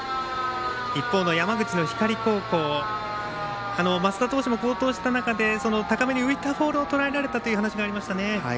一方の山口の光高校升田投手も好投をした中で高めに浮いたボールをとらえられたという話がありましたね。